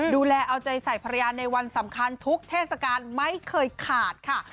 ดูแลเอาใจใส่ภรรยาในวันสำคัญทุกเทศกาลไม่เคยขาดค่ะ